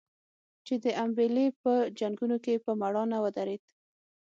چې د امبېلې په جنګونو کې په مړانه ودرېد.